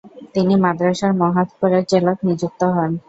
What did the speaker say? তিনি মাদ্রাসার মহাপরিচালক নিযুক্ত হন।